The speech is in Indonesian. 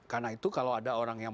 karena itu kalau ada orang yang